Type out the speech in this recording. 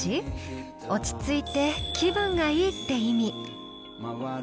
「落ち着いて気分がいい」って意味。